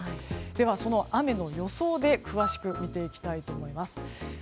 では、その雨の予想で詳しく見ていきたいと思います。